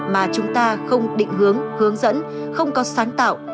mà chúng ta không định hướng hướng dẫn không có sáng tạo